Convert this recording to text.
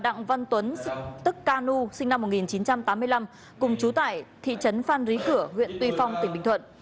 đặng văn tuấn tức can nu sinh năm một nghìn chín trăm tám mươi năm cùng chú tại thị trấn phan rí cửa huyện tuy phong tỉnh bình thuận